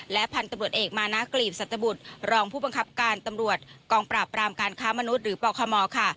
พันธุ์ตำรวจเอกมานะกลีบสัตบุตรรองผู้บังคับการตำรวจกองปราบรามการค้ามนุษย์หรือปคมค่ะ